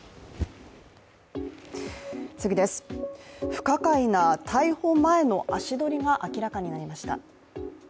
不可解な逮捕前の足取りが明らかになりました。